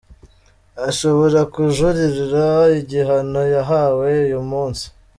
Ashobora kujuririra igihano yahawe uyu munsi.